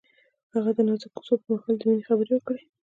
هغه د نازک کوڅه پر مهال د مینې خبرې وکړې.